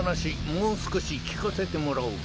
もう少し聞かせてもらおうか。